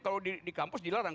kalau di kampus dilarang